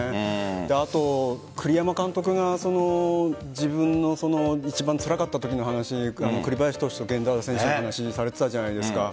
あと、栗山監督が自分の一番辛かったときの話栗林投手と源田選手の話をされていたじゃないですか。